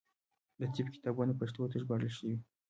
د طب کتابونه پښتو ته ژباړل شوي.